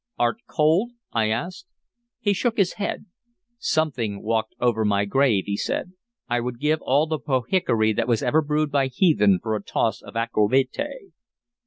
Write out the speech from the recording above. "Art cold?" I asked. He shook his head. "Something walked over my grave," he said. "I would give all the pohickory that was ever brewed by heathen for a toss of aqua vitae!"